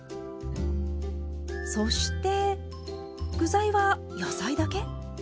そして具材は野菜だけ？